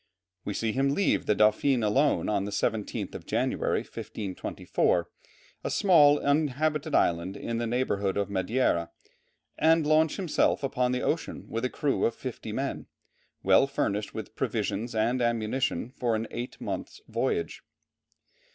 We see him leave with the Dauphine alone on the 17th of January, 1524, a small inhabited island in the neighbourhood of Madeira, and launch himself upon the ocean with a crew of fifty men, well furnished with provisions and ammunition for an eight months' voyage.